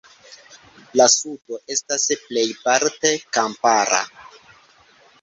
La sudo estas plejparte kampara.